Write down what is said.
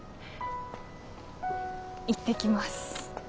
行ってきます。